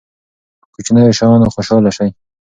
په کوچنیو شیانو خوشحاله شئ.